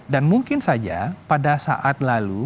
dan mungkin saja pada saat lalu